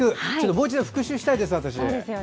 もう一度、復習したいです。